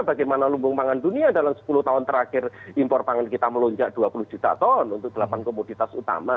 bagaimana lumbung pangan dunia dalam sepuluh tahun terakhir impor pangan kita melonjak dua puluh juta ton untuk delapan komoditas utama